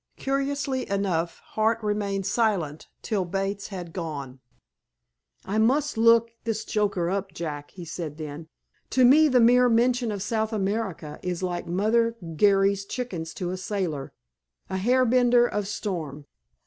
Curiously enough, Hart remained silent till Bates had gone. "I must look this joker up, Jack," he said then. "To me the mere mention of South America is like Mother Gary's chickens to a sailor, a harbinger of storm."